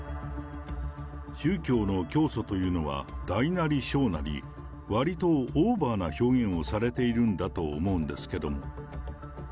宗教の教祖というのは大なり小なり、わりとオーバーな表現をされているんだと思うんですけども。